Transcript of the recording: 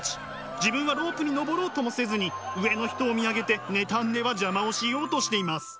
自分はロープに登ろうともせずに上の人を見上げて妬んでは邪魔をしようとしています。